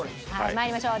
まいりましょう。